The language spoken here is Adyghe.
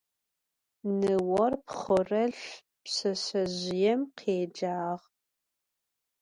Nıor pxhorelhf pşseşsezjıêm khêcağ.